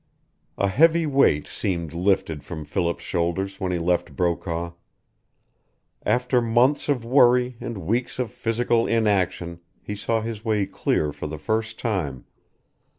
A heavy weight seemed lifted from Philip's shoulders when he left Brokaw. After months of worry and weeks of physical inaction he saw his way clear for the first time.